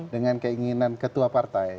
dengan keinginan ketua partai